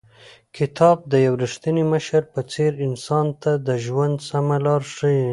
کتاب د یو رښتیني مشر په څېر انسان ته د ژوند سمه لار ښیي.